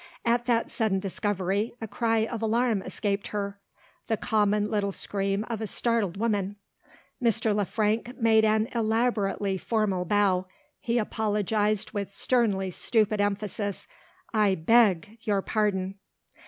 At that sudden discovery, a cry of alarm escaped her the common little scream of a startled woman. Mr. Le Frank made an elaborately formal bow: he apologised with sternly stupid emphasis. "I beg your pardon."